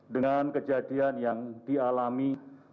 dengan kejadian yang dialami